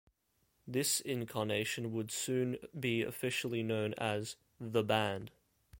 This incarnation would soon be officially known as The Band.